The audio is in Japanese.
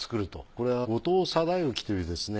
これは後藤貞行というですね